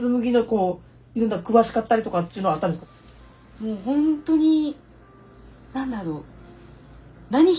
もうほんとに何だろう。